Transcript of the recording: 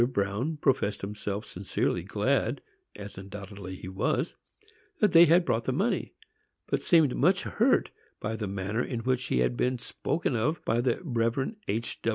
Bruin professed himself sincerely glad, as undoubtedly he was, that they had brought the money; but seemed much hurt by the manner in which he had been spoken of by the Rev. H.